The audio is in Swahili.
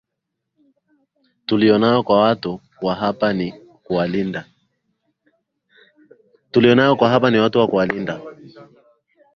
tuliyo nayo kwa watu wa hapa Ni kuwalinda